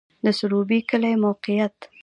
د سروبی کلی موقعیت